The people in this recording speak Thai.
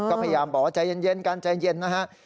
ก็พยายามบอกว่าใจเย็นกันใจเย็นนะฮะ